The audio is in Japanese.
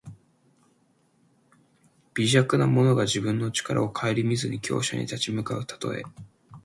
微弱な者が自分の力をかえりみずに強者に立ち向かうたとえ。